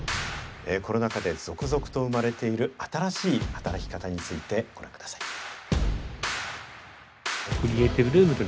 コロナ禍で続々と生まれている新しい働き方についてご覧ください。